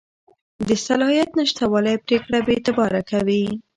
د صلاحیت نشتوالی پرېکړه بېاعتباره کوي.